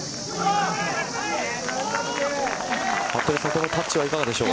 このタッチはいかがでしょう。